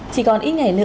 chỉ còn ít ngày nữa